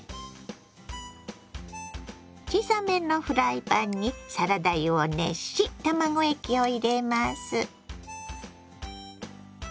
小さめのフライパンにサラダ油を熱し卵液を入れます。